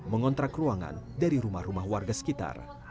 mengontrak ruangan dari rumah rumah warga sekitar